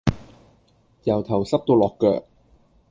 由頭濕到落腳